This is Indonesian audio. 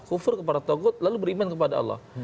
kufur kepada togut lalu beriman kepada allah